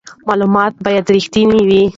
معلومات باید رښتیني وي.